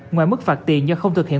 ngoài mức phạt tiền do không thực hiện